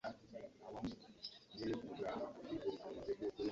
Abazimba obubi bakuvunaanibwa.